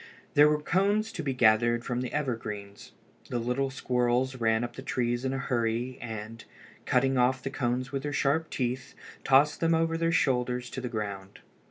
There were cones to be gathered from the evergreens. The little squirrels ran up the trees in a hurry, and, cutting off the cones with their sharp teeth, tossed them over their shoulders to the ground.